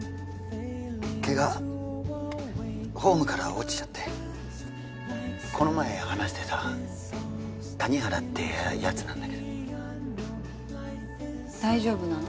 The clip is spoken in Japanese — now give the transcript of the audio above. ケガホームから落ちちゃってこの前話してた谷原ってやつなんだけど大丈夫なの？